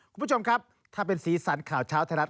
คุณผู้ชมครับถ้าเป็นสีสันข่าวเช้าไทยรัฐ